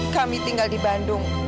kami tinggal di bandung